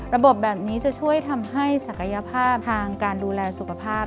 ระบบแบบนี้จะช่วยทำให้ศักยภาพทางการดูแลสุขภาพ